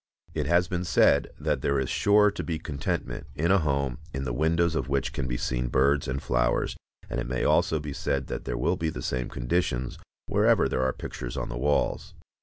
It has been said that there is sure to be contentment in a home in the windows of which can be seen birds and flowers, and it may also be said that there will be the same conditions wherever there are pictures on the walls.